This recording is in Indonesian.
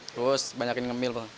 terus banyak ini ngemil